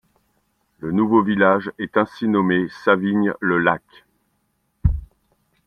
Le nouveau village est ainsi nommé Savines-le-Lac.